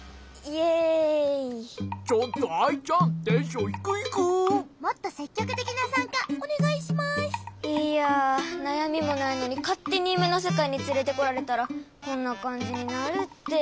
いやなやみもないのにかってにゆめのせかいにつれてこられたらこんなかんじになるって。